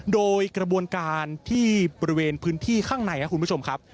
โดยกระบวนการที่บริเวณพื้นที่ข้างในครับคุณผู้ชมครับ